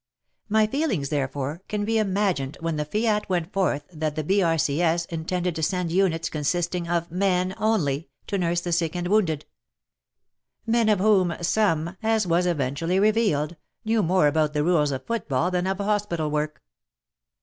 My feelings, therefore, can be imagined when the fiat went forth that the B.R.C.S. intended to send units consisting of men only to nurse the sick and wounded ! Men of whom some — as was eventually revealed — knew more about the rules of football than of hospital work.